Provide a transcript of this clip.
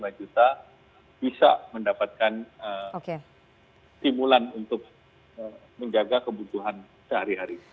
mereka bisa mendapatkan stimulan untuk menjaga kebutuhan sehari hari